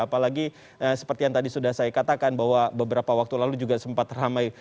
apalagi seperti yang tadi sudah saya katakan bahwa beberapa waktu lalu juga sempat ramai